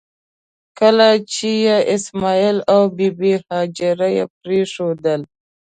کله چې یې اسماعیل او بي بي هاجره پرېښودل.